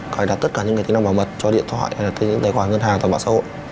cải đặt tất cả những tính năng bảo vật cho điện thoại hay tài khoản ngân hàng tài khoản xã hội